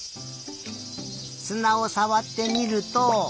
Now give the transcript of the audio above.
すなをさわってみると。